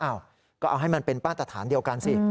อ้าวก็เอาให้มันเป็นบรรทัดฐานเดียวกันสิ